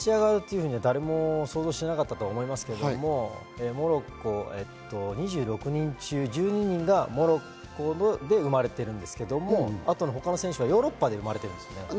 これだけ勝ち上がるとは誰も想像していなかったと思いますけども、モロッコは２６人中１２人がモロッコで生まれているんですけども、他の選手はヨーロッパで生まれているんですよね。